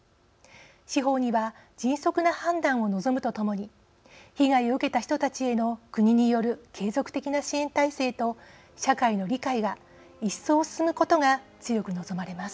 司法には迅速な判断を望むとともに被害を受けた人たちへの国による継続的な支援体制と社会の理解が一層、進むことが強く望まれます。